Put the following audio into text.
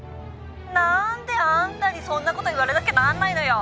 何であんたにそんなこと言われなきゃなんないのよ！